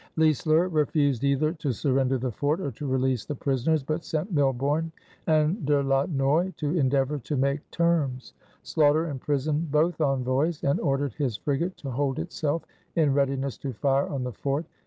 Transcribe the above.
Leisler refused either to surrender the fort or to release the prisoners but sent Milborne and De la Noy to endeavor to make terms. Sloughter imprisoned both envoys and ordered his frigate to hold itself in readiness to fire on the fort.